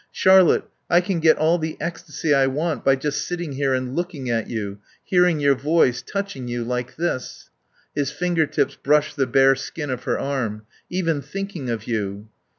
Charlotte, I can get all the ecstasy I want by just sitting here and looking at you, hearing your voice, touching you like this." His finger tips brushed the bare skin of her arm. "Even thinking of you